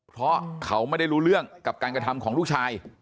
เพราะเขาไม่ได้รู้เรื่องกับการกระทำของลูกชาย